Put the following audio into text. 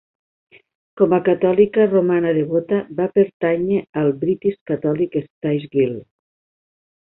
Com a catòlica romana devota, va pertànyer al British Catholic Stage Guild.